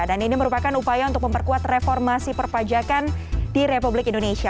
dan ini merupakan upaya untuk memperkuat reformasi perpajakan di republik indonesia